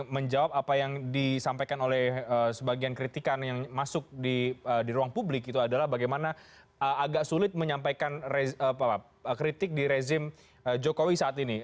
menjawab apa yang disampaikan oleh sebagian kritikan yang masuk di ruang publik itu adalah bagaimana agak sulit menyampaikan kritik di rezim jokowi saat ini